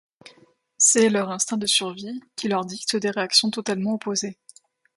C’est leur instinct de survie qui leur dicte des réactions totalement opposées.